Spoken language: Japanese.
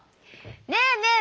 ねえねえ